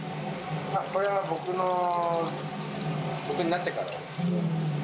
これは僕の、僕になってからのもの。